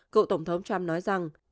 cựu tổng thống trump nói rằng